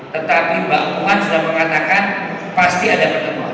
tetapi mbak puan sudah mengatakan pasti ada pertemuan